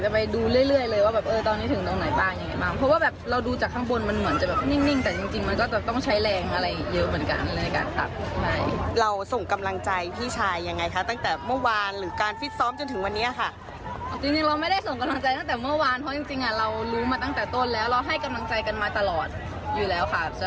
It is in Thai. เป็นการที่จะลิงก์กันได้เองโดยที่ไม่ต้องพูดอะไรเยอะ